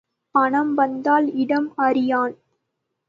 பணம் வந்தால் இடம் அறியான்.